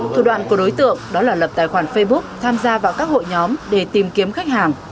thủ đoạn của đối tượng đó là lập tài khoản facebook tham gia vào các hội nhóm để tìm kiếm khách hàng